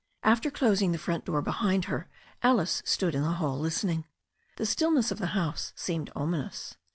After closing the front door behind her Alice stood in the hall listening. The stillness of the house seemed ominous.